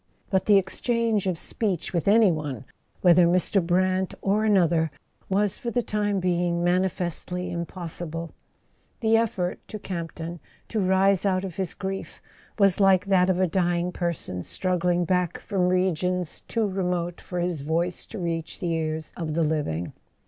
But the exchange of speech with any one, whether Mr. Brant or another, was for the time being mani¬ festly impossible. The effort, to Campton, to rise out of his grief, was like that of a dying person struggling back from regions too remote for his voice to reach the ears of the living.